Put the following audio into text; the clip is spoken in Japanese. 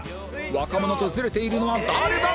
若者とズレているのは誰だ！？